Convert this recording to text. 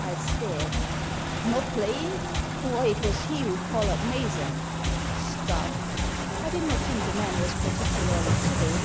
I stared. "Not playing! Why, it was he who collared Mason." « Stuff!" I did not think the man was particularly civil.